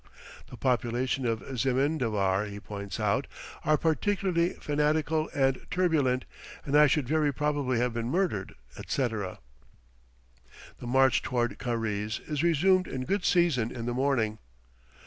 The population of Zemindavar, he points out, are particularly fanatical and turbulent, and I should very probably have been murdered; etc. The march toward Karize is resumed in good season in the morning.